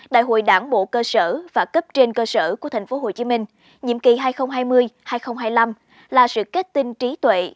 đại hội đảng bộ cơ sở và cấp trên cơ sở của tp hcm nhiệm kỳ hai nghìn hai mươi hai nghìn hai mươi năm là sự kết tinh trí tuệ